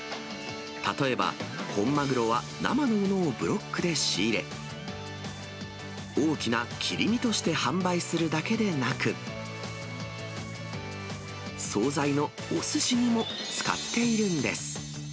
例えば本マグロは生のものをブロックで仕入れ、大きな切り身として販売するだけでなく、総菜のおすしにも使っているんです。